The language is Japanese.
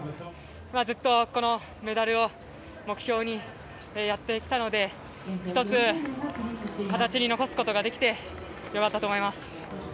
ずっとこのメダルを目標にやってきたので１つ、形に残すことができて良かったと思います。